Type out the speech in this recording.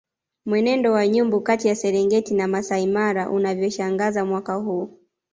Mwenendo wa nyumbu kati ya Serengeti na Maasai Mara unavyoshangaza mwaka huu